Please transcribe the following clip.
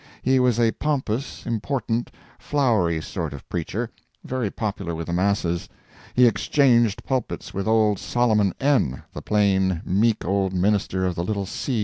He was a pompous, important, flowery sort of preacher—very popular with the masses. He exchanged pulpits with old Solomon N., the plain, meek old minister of the little C.